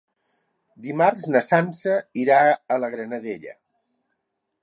Dimarts na Sança irà a la Granadella.